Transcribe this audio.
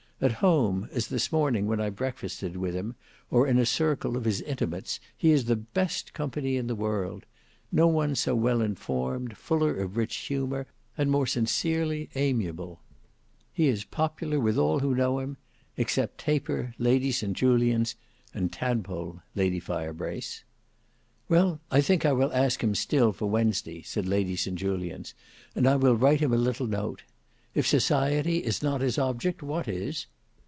At home, as this morning when I breakfasted with him, or in a circle of his intimates, he is the best company in the world; no one so well informed, fuller of rich humour, and more sincerely amiable. He is popular with all who know him—except Taper, Lady St Julians, and Tadpole, Lady Firebrace." "Well, I think I will ask him still for Wednesday," said Lady St Julians; "and I will write him a little note. If society is not his object, what is?"